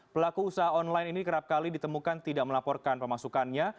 pelaku usaha online ini kerap kali ditemukan tidak melaporkan pemasukannya